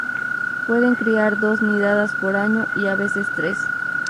Pueden criar dos nidadas por año, y a veces tres.